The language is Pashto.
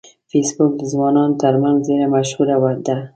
فېسبوک د ځوانانو ترمنځ ډیره مشهوره ده